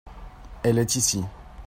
elle est ici.